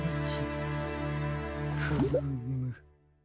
フーム。